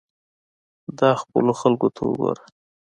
دا خپلو خلقو ته وګوره.